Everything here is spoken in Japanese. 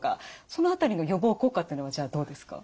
その辺りの予防効果っていうのはどうですか？